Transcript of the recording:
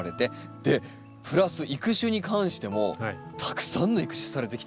でプラス育種に関してもたくさんの育種されてきてますよね。